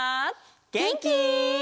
げんき？